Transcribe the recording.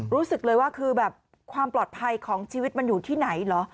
รู้สึกเลยว่าคือแบบความปลอดภัยของชีวิตมันอยู่ที่ไหนเหรอ